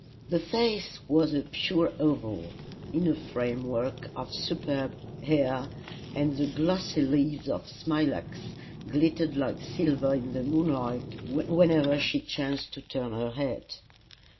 The face was a pure oval, in a frame work of superb hair, and the glossy leaves of smilax glittered like silver in the moonlight whenever she chanced to turn her head.